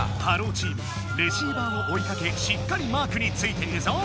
チームレシーバーをおいかけしっかりマークについているぞ！